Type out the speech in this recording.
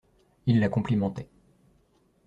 Ils la complimentaient.